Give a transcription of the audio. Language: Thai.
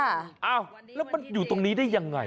อ้าวแล้วมันอยู่ตรงนี้ได้ยังไง